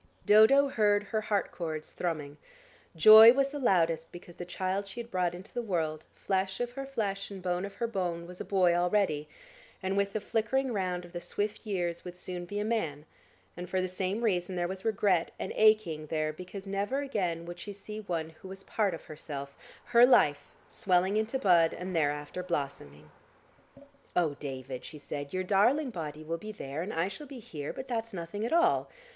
Dodo heard her heart cords thrumming; joy was the loudest because the child she had brought into the world, flesh of her flesh and bone of her bone was a boy already, and with the flicking round of the swift years would soon be a man, and for the same reason there was regret and aching there because never again would she see one who was part of herself, her life, swelling into bud, and thereafter blossoming.... "Oh, David," she said, "your darling body will be there, and I shall be here, but that's nothing at all.